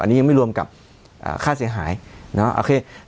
อันนี้ยังไม่รวมกับค่าเสียหายเนาะโอเค